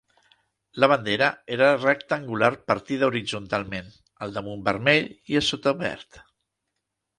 La bandera era rectangular partida horitzontalment, al damunt vermell i a sota verd.